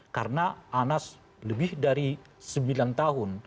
karena anas lebih dari sembilan tahun